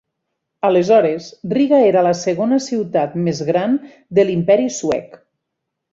Aleshores, Riga era la segona ciutat més gran de l'imperi Suec.